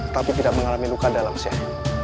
tapi tidak mengalami luka dalam siang